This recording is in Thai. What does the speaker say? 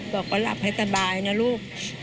บอกว่าหลับให้สบายนะลูก